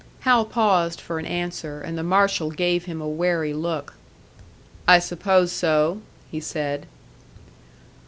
Hal paused for an answer, and the marshal gave him a wary look. "I suppose so," he said.